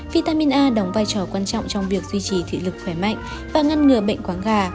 vitamin a đóng vai trò quan trọng trong việc duy trì thị lực khỏe mạnh và ngăn ngừa bệnh quán gà